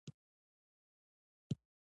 انسانانو د نړۍ بېلابېلې سیمې ونیولې.